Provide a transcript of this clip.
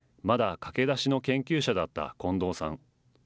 ２５年ほど前、まだ駆け出しの研究者だった近藤さん。